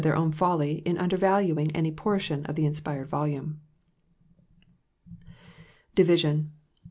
eir own folly in undervaluing any portion of the inspired volume. Division.